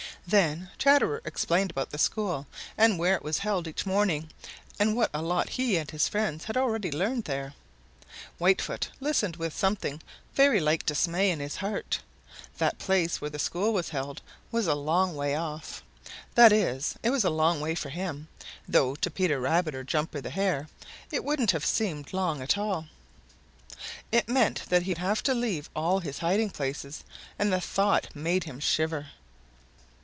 Then Chatterer explained about the school and where it was held each morning and what a lot he and his friends had already learned there. Whitefoot listened with something very like dismay in his heart. That place where school was held was a long way off. That is, it was a long way for him, though to Peter Rabbit or Jumper the Hare it wouldn't have seemed long at all. It meant that he would have to leave all his hiding places and the thought made him shiver.